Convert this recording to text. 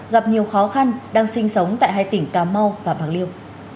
gặp nhiều khó khăn đang sinh sống tại hai tỉnh cà mau và bạc liêu